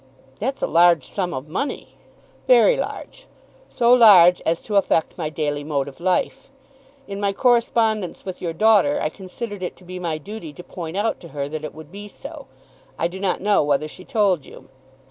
"That's a large sum of money." "Very large; so large as to affect my daily mode of life. In my correspondence with your daughter, I considered it to be my duty to point out to her that it would be so. I do not know whether she told you."